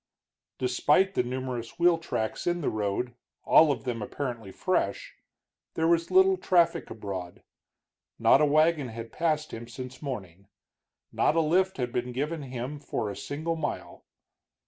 Despite the numerous wheel tracks in the road, all of them apparently fresh, there was little traffic abroad. Not a wagon had passed him since morning, not a lift had been given him for a single mile.